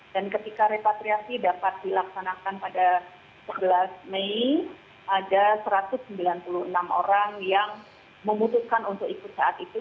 dan ketika repatriasi dapat dilaksanakan pada sebelas mei ada satu ratus sembilan puluh enam orang yang memutuskan untuk ikut saat itu